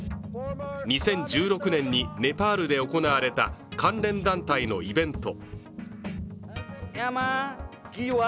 ２０１６年にネパールで行われた関連団体のイベント。